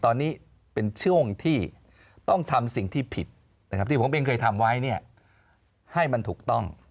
ตอนนี้เป็นช่วงที่ต้องทำสิ่งที่ผิดนะครับที่ผมเองเคยทำไว้ให้มันถูกต้อง